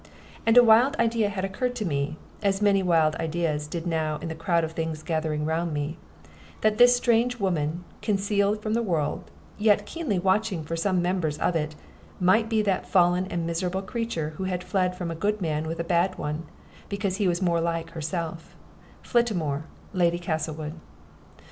And a wild idea had occurred to me (as many wild ideas did now in the crowd of things gathering round me) that this strange woman, concealed from the world, yet keenly watching some members of it, might be that fallen and miserable creature who had fled from a good man with a bad one, because he was more like herself Flittamore, Lady Castlewood.